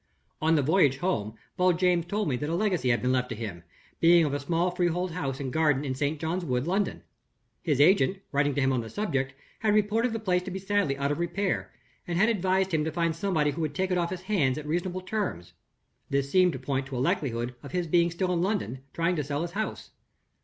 "On the voyage home, Beljames told me that a legacy had been left to him; being a small freehold house and garden in St. John's Wood, London. His agent, writing to him on the subject, had reported the place to be sadly out of repair, and had advised him to find somebody who would take it off his hands on reasonable terms. This seemed to point to a likelihood of his being still in London, trying to sell his house.